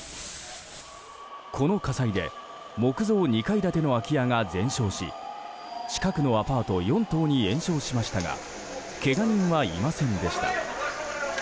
この火災で木造２階建ての空き家が全焼し近くのアパート４棟に延焼しましたがけが人はいませんでした。